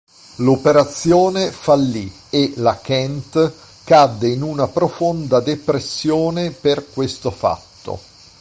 L'operazione fallì e la Kent cadde in una profonda depressione per questo fatto.